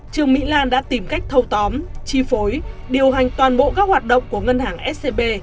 trương mỹ lan đã tìm cách thâu tóm chi phối điều hành toàn bộ các hoạt động của ngân hàng scb